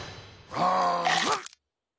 ああ！